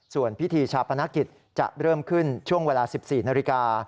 ส่วนพิธีชาปนกิจจะเริ่มขึ้นช่วงเวลา๑๔นาฬิกา